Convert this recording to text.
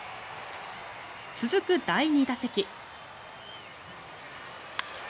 続く第２打席。